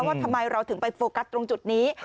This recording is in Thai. ว่าทำไมเราถึงไปโฟกัสตรงจุดนี้